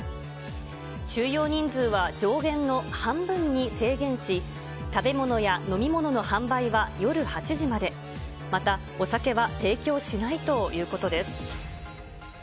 収容人数は上限の半分に制限し、食べ物や飲み物の販売は夜８時まで、また、お酒は提供しないということです。